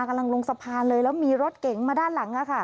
กำลังลงสะพานเลยแล้วมีรถเก๋งมาด้านหลัง